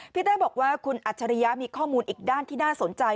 เต้บอกว่าคุณอัจฉริยะมีข้อมูลอีกด้านที่น่าสนใจ